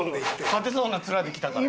勝てそうな面で来たから。